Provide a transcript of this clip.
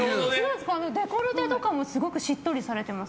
デコルテとかもすごくしっかりされてます。